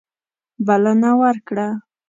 بلنه ورکړه.